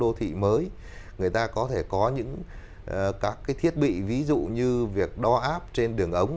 những cái thiết bị mới người ta có thể có những các cái thiết bị ví dụ như việc đo áp trên đường ống